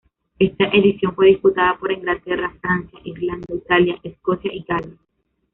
Esta edición fue disputada por Inglaterra, Francia, Irlanda, Italia, Escocia y Gales.